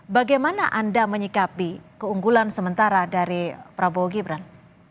bagaimana anda menyikapi keunggulan sementara dari prabowo gibran